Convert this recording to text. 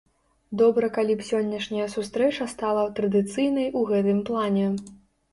Добра калі б сённяшняя сустрэча стала традыцыйнай у гэтым плане.